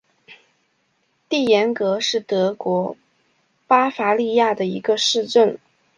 蒂廷格是德国巴伐利亚州的一个市镇。